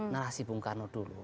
narasi bung karno dulu